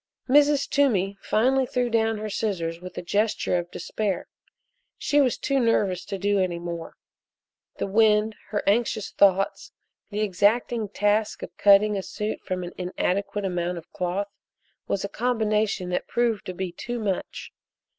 Mrs. Toomey finally threw down her scissors with a gesture of despair. She was too nervous to do any more. The wind, her anxious thoughts, the exacting task of cutting a suit from an inadequate amount of cloth, was a combination that proved to be too much.